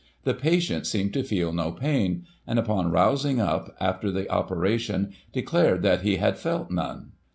The patient seemed to feel no pain ; and, upon rousing up, after the operation, declared that he had felt none."